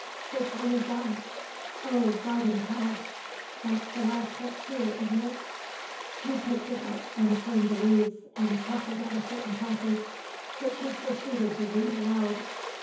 "Which one is that? Oh, Garden Paths. That's the last but two, isn't it." He picked it up and turned the leaves, and chuckled at a certain passage, which he proceeded to read aloud.